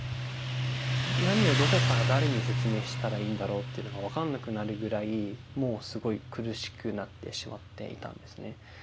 何をどこから誰に説明したらいいんだろうっていうのが分かんなくなるぐらいもうすごい苦しくなってしまっていたんですね。